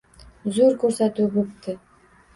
Zo‘r ko‘rsatuv bo‘pti.